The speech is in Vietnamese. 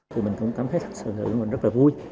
thì mình cũng cảm thấy thật sự mình rất là vui